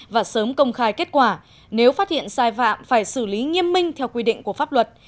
và sớm công khai kết quả nếu phát hiện sai phạm phải xử lý nghiêm minh theo quy định của pháp luật